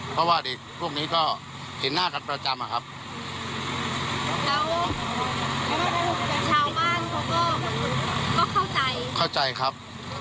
เพราะว่าพวกนี้ก็เห็นหน้ากันประจำอะครับ